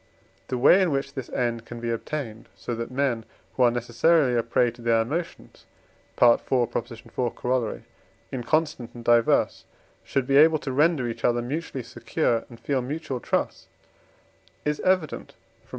The way in which this end can be obtained, so that men who are necessarily a prey to their emotions (IV. iv. Coroll.), inconstant, and diverse, should be able to render each other mutually secure, and feel mutual trust, is evident from IV.